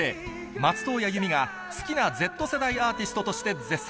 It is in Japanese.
松任谷由実が好きなＺ世代アーティストとして絶賛。